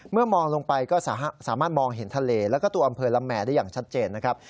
มองลงไปก็สามารถมองเห็นทะเลแล้วก็ตัวอำเภอลำแห่ได้อย่างชัดเจนนะครับ